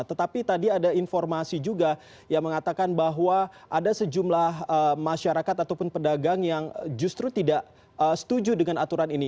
tetapi tadi ada informasi juga yang mengatakan bahwa ada sejumlah masyarakat ataupun pedagang yang justru tidak setuju dengan aturan ini